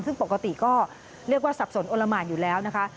ซึ่งปกติก็เรียกว่าสับสนอนละหมานอยู่แล้วนะคะ